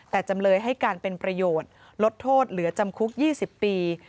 แต่จำเลยให้การเป็นประโยชน์ลดโทษเหลือจำคุก๒๐ปี